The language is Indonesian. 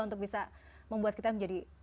untuk bisa membuat kita menjadi